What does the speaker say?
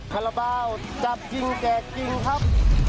คาราบาลจับจริงแจกจริงครับ